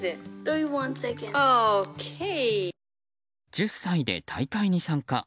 １０歳で大会に参加。